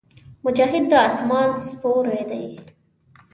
مجاهد د اسمان ستوری دی.